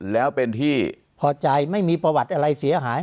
แล้วเป็นที่พอใจไม่มีประวัติอะไรเสียหาย